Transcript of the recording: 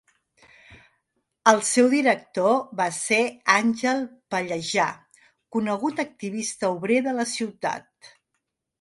El seu director va ser Àngel Pallejà, conegut activista obrer de la ciutat.